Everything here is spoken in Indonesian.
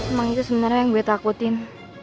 emang itu sebenarnya yang gue takutin